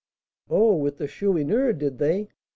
"Oh, with the Chourineur, did they?